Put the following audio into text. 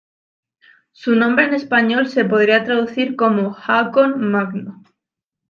Su nombre en español se podría traducir como Haakon Magno.